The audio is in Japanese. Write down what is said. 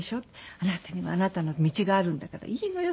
あなたにはあなたの道があるんだからいいのよ